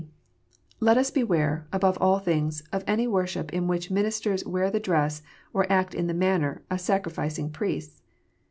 293 (G) Let us beware, above all things, of any worship in which ministers wear the dress, or act in the manner, of sacrificing Ijriests.